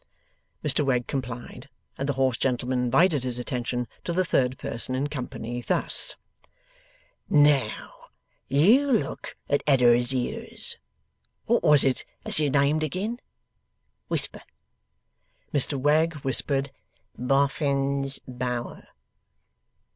Mr Wegg complied, and the hoarse gentleman invited his attention to the third person in company, thus; 'Now, you look at Eddard's ears. What was it as you named, agin? Whisper.' Mr Wegg whispered, 'Boffin's Bower.